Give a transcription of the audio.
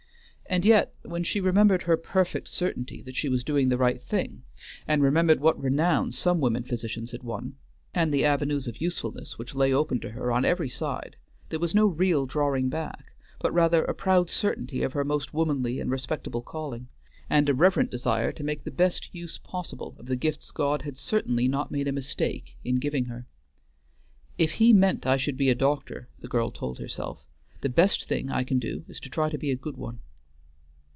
And yet, when she remembered her perfect certainty that she was doing the right thing, and remembered what renown some women physicians had won, and the avenues of usefulness which lay open to her on every side, there was no real drawing back, but rather a proud certainty of her most womanly and respectable calling, and a reverent desire to make the best use possible of the gifts God had certainly not made a mistake in giving her. "If He meant I should be a doctor," the girl told herself, "the best thing I can do is to try to be a good one."